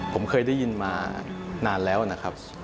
ผมเคยได้ยินมานานแล้วนะครับ